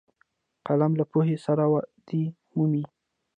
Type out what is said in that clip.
قلم له پوهې سره ودې مومي